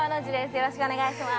よろしくお願いします。